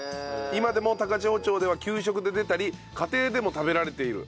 今でも高千穂町では給食で出たり家庭でも食べられている。